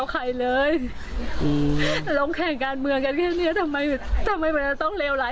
ใครชาวบ้านเลือกกันแล้วสิแพ้ชนะเรายังไม่รู้เลย